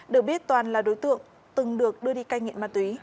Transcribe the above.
được biết toàn là đối tượng từng được đưa đi cai nghiện ma túy